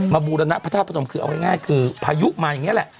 บูรณพระธาตุพนมคือเอาง่ายคือพายุมาอย่างนี้แหละ